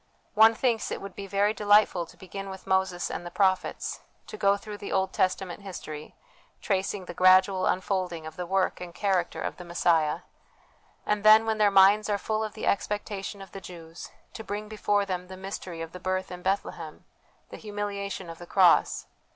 One thinks it would be very delightful to begin with Moses and the prophets : to go through the Old Testament history, tracing the gradual unfolding of the work and character of the 3S 2 HOME EDUCATION Messiah ; and then, when their minds are full of the expectation of the Jews, to bring before them the mystery of the Birth in Bethlehem, the humiliation of the Cross.